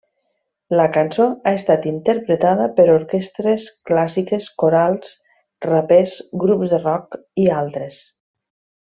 La cançó ha estat interpretada per orquestres clàssiques, corals, rapers, grups de rock i altres.